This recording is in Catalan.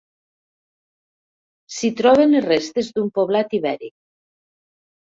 S'hi troben les restes d'un poblat ibèric.